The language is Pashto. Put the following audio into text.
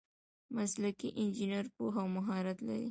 مسلکي انجینر پوهه او مهارت لري.